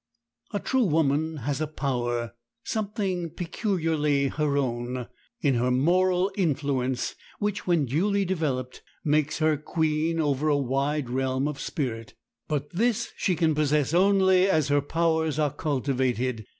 A true woman has a power, something peculiarly her own, in her moral influence, which, when duly developed, makes her queen over a wide realm of spirit. But this she can possess only as her powers are cultivated.